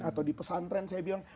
atau di pesantren saya bilang